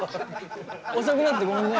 遅くなってごめんね。